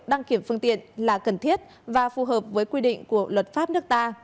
đăng kiểm phương tiện là cần thiết và phù hợp với quy định của luật pháp nước ta